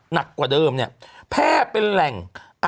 หนักกว่าเดิมเนี่ยแพร่เป็นแหล่ง